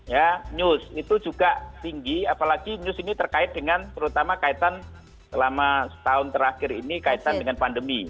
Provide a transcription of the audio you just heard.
ya news itu juga tinggi apalagi news ini terkait dengan terutama kaitan selama setahun terakhir ini kaitan dengan pandemi